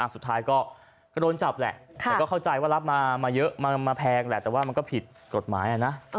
สุดท้ายก็โดนจับแหละแต่ก็เข้าใจว่ารับมาเยอะมาแพงแหละแต่ว่ามันก็ผิดกฎหมายนะ